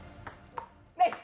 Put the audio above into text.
ナイス！